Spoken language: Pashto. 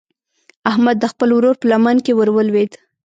احمد د خپل ورور په لمن کې ور ولوېد.